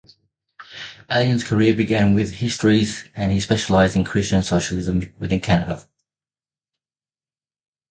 Allen's career began with history and he specialized in Christian socialism within Canada.